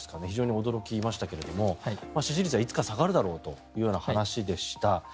非常に驚きましたけれども支持率はいつか下がるだろうという話でした。